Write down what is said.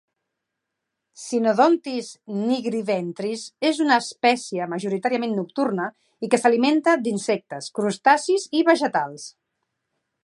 "Synodontis nigriventris" és una espècie majoritàriament nocturna i que s'alimenta d'insectes, crustacis i vegetals.